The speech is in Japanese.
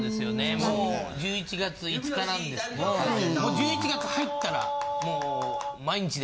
もう１１月５日なんですけどもう１１月入ったら。